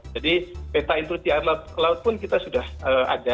jadi peta intrusi air laut pun kita sudah ada